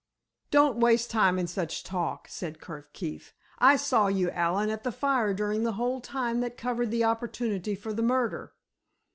"Don't waste time in such talk," said Curt Keefe. "I saw you, Allen, at the fire during the whole time that covered the opportunity for the murder."